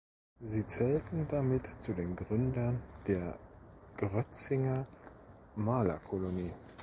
Sie zählten damit zu den Gründern der Grötzinger Malerkolonie.